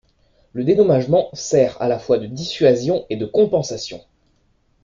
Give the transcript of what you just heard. Le dédommagement sert à la fois de dissuasion et de compensation.